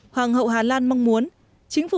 hoàng hậu hà lan mong muốn